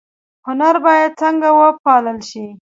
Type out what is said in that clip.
هنر باید څنګه وپال ل شي؟